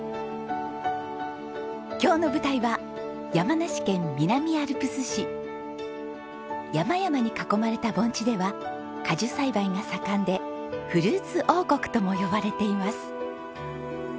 今日の舞台は山々に囲まれた盆地では果樹栽培が盛んでフルーツ王国とも呼ばれています。